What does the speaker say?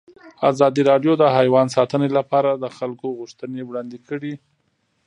ازادي راډیو د حیوان ساتنه لپاره د خلکو غوښتنې وړاندې کړي.